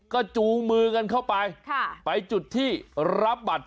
ก็จูงมือกันเข้าไปไปจุดที่รับบัตร